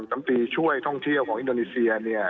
น้ำตีช่วยท่องเที่ยวของอินโดนีเซียเนี่ย